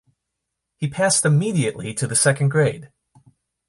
He passed immediately to the second grade.